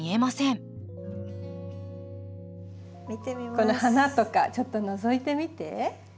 この花とかちょっとのぞいてみて。